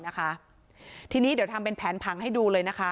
นะคะทีนี้เดี๋ยวทำเป็นแผนผังให้ดูเลยนะคะ